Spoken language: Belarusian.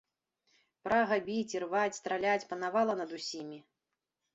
Прага біць, ірваць, страляць панавала над усімі.